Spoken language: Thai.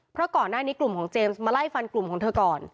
เพราะก่อนหน้านี้กลุ่มของเจมส์มาไล่ฟันกลุ่มของเธอก่อน